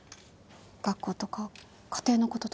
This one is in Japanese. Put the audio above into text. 学校とか家庭のこととか。